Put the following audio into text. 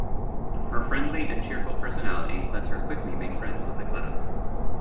Her friendly and cheerful personality lets her quickly make friends with the class.